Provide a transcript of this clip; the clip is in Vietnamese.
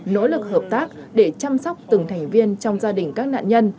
nỗ lực hợp tác để chăm sóc từng thành viên trong gia đình các nạn nhân